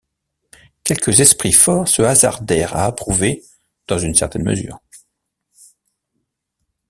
Quelques esprits forts se hasardèrent à approuver dans une certaine mesure.